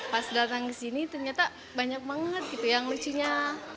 pas datang kesini ternyata banyak banget gitu yang lucunya